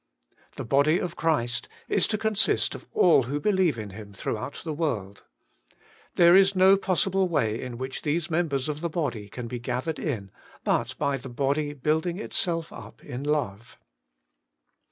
The body of Christ is to consist of all who beheve in Him throughout the world. There is no possible way in which these members of the body can be gathered in, but by the body building itself up in love.